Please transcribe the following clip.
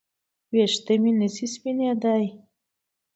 ویښته مې نشي سپینېدای